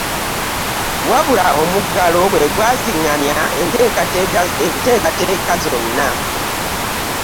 Wabula omuggalo gw'egwazingamya enteekateeka zonna